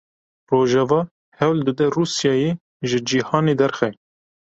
Rojava hewl dide Rûsyayê ji cîhanê derxe.